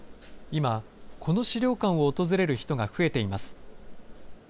今、この資料館を訪れる人が増えています。